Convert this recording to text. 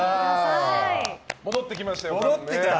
戻ってきましたよ。